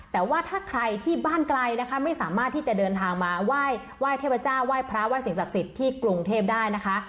แต่ว่าถ้าใครที่บ้านไกลนะคะไม่สามารถที่จะเดินทางมาไหว้เทพเจ้าไหว้พระไหว้สิ่งศักดิ์สิทธิ์ที่กรุงเทพได้นะคะ